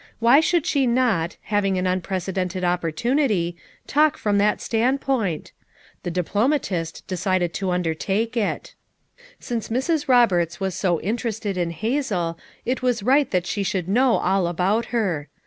"Why should she not, having an unprecedented oppor tunity, talk from that standpoint? The diplo matist decided to undertake it. Since Mrs. Roberts was so interested in Hazel it was right that she should know all about her.